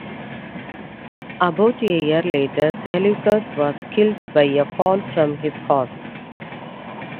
About a year later, Seleucus was killed by a fall from his horse.